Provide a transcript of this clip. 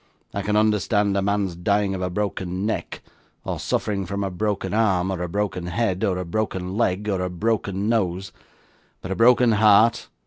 I can understand a man's dying of a broken neck, or suffering from a broken arm, or a broken head, or a broken leg, or a broken nose; but a broken heart!